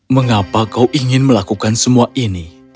mengapa kau ingin melakukan semua ini